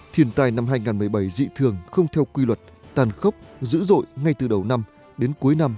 thiên tai năm hai nghìn một mươi bảy dị thường không theo quy luật tàn khốc dữ dội ngay từ đầu năm đến cuối năm